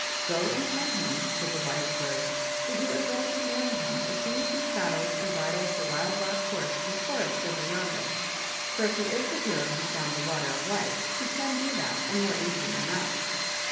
"Go and tell him," said the Wise Bird, "that you are ready to marry him as soon as he saddles and bridles the Wild Black Horse in the forest over yonder, for if he is the hero who found the Water of Life he can do that and more easily enough."